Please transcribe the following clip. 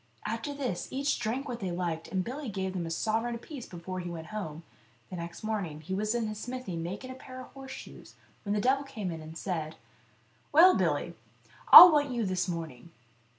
After this they each drank what they liked, and Billy gave them a sovereign apiece before he went home. The next morning he was in his smithy making Billy Duffy and the Devil, 57 a pair of horseshoes, when the devil came in and /said :" Well, Billy, I'll want you this morning."